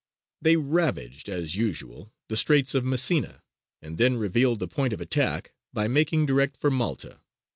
They ravaged, as usual, the Straits of Messina, and then revealed the point of attack by making direct for Malta.